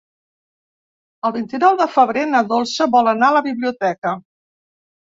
El vint-i-nou de febrer na Dolça vol anar a la biblioteca.